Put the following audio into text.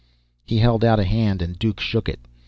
He held out a hand, and Duke shook it.